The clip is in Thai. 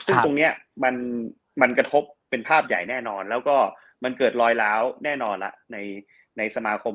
ซึ่งตรงนี้มันกระทบเป็นภาพใหญ่แน่นอนแล้วก็มันเกิดรอยล้าวแน่นอนละในสมาคม